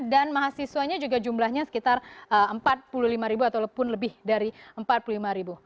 dan mahasiswanya juga jumlahnya sekitar empat puluh lima ribu ataupun lebih dari empat puluh lima ribu